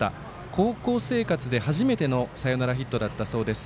高校生活で初めてのサヨナラヒットだったそうです。